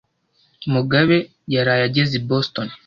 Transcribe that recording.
Mugabe yaraye ageze i Boston.